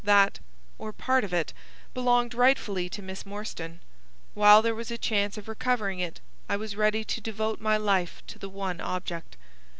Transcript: That, or part of it, belonged rightfully to Miss Morstan. While there was a chance of recovering it I was ready to devote my life to the one object.